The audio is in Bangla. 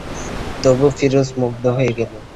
তবু ফিরোজ মুগ্ধ হয়ে গেল।